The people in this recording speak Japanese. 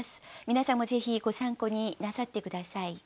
皆さんもぜひご参考になさって下さい。